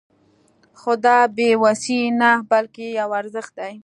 خو دا بې وسي نه بلکې يو ارزښت دی.